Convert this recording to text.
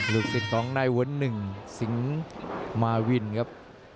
ลูกศิษย์ของนายวนหนึ่งสิงค์มาวินครับ